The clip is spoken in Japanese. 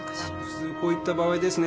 普通こういった場合ですね